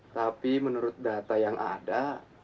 tapi menurut data yang ada